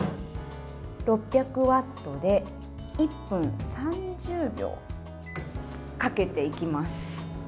６００ワットで１分３０秒かけていきます。